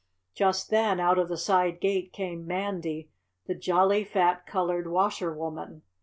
Just then out of the side gate came Mandy, the jolly fat colored washer woman.